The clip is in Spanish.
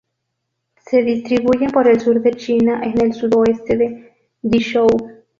Se distribuyen por el sur de China en el sudoeste de Guizhou.